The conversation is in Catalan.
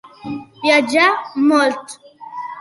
Viatjà molt.